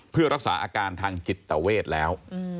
เพื่อรักษาอาการทางจิตเวทแล้ว